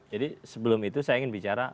jadi sebelum itu saya ingin bicara